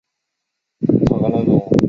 簇花蛇根草为茜草科蛇根草属的植物。